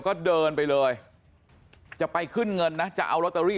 ก็เดินไปเลยจะไปขึ้นเงินนะจะเอาลอตเตอรี่